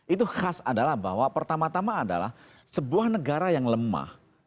itu khas adalah bahwa pertama tama adalah sebuah negara yang lemah